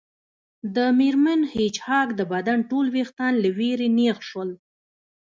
د میرمن هیج هاګ د بدن ټول ویښتان له ویرې نیغ شول